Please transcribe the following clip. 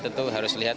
tentu harus diinginkan